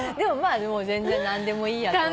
でも全然何でもいいやと。